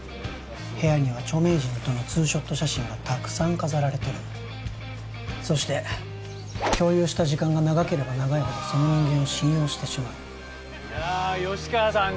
部屋には著名人とのツーショット写真がたくさん飾られてるそして共有した時間が長ければ長いほどその人間を信用してしまういやあ吉川さん